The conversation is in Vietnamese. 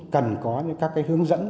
cần có những các cái hướng dẫn